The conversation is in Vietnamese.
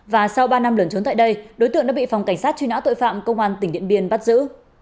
và sau ba năm lần trốn tại đây đối tượng đã bị phòng cảnh sát truy nã tội phạm công an tỉnh điện biên bắt giữ